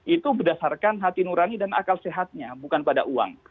itu berdasarkan hati nurani dan akal sehatnya bukan pada uang